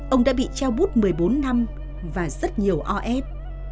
ông đã bị treo bút một mươi bốn năm và rất nhiều o ép